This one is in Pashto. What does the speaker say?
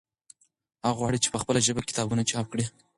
هغوی غواړي چې په خپله ژبه کتابونه چاپ کړي.